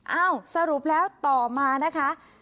สรุปแล้วต่อมานะคะ